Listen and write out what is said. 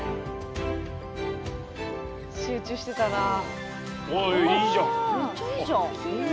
集中してたなあ。